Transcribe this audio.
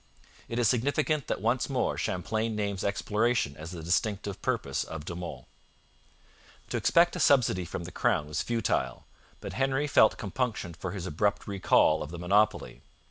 It is significant that once more Champlain names exploration as the distinctive purpose of De Monts. To expect a subsidy from the crown was futile, but Henry felt compunction for his abrupt recall of the monopoly.